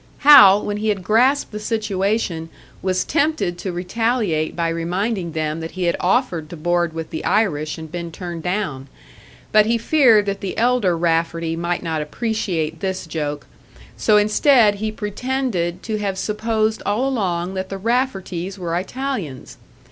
Hal, when he had grasped the situation, was tempted to retaliate by reminding them that he had offered to board with the Irish, and been turned down; but he feared that the elder Rafferty might not appreciate this joke, so instead he pretended to have supposed all along that the Rafferties were Italians.